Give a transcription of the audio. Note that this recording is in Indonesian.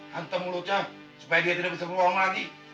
hantarmu lojam supaya dia tidak bisa beruang lagi